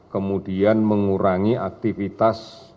kemudian mengurangi aktivitas